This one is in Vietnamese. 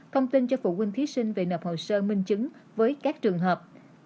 thông tin cho phụ huynh thí sinh về nạp hồ sơ minh chứng với các trường hợp